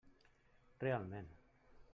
Realment.